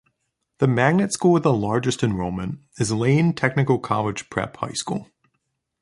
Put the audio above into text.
The magnet school with the largest enrollment is Lane Technical College Prep High School.